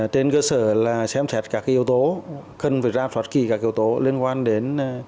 trên cơ sở là xem xét các yếu tố cần phải ra soát kỹ các yếu tố liên quan đến